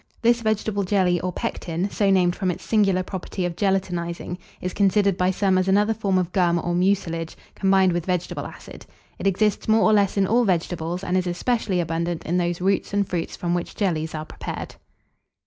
This vegetable jelly, or pectin, so named from its singular property of gelatinizing, is considered by some as another form of gum or mucilage, combined with vegetable acid. It exists more or less in all vegetables, and is especially abundant in those roots and fruits from which jellies are prepared.